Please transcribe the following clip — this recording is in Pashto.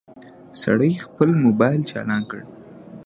سړي خپل موبايل چالان کړ.